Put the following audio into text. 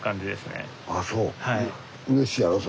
うれしいやろ？